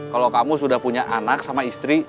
kalau kamu sudah punya anak sama istri